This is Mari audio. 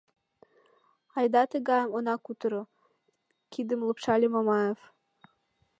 — Айда тыгайым она кутыро, — кидым лупшале Мамаев.